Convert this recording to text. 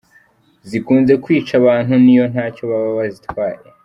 Zikunze kwica abantu n’iyo ntacyo baba bazitwaye.